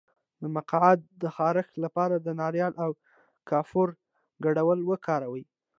د مقعد د خارښ لپاره د ناریل او کافور ګډول وکاروئ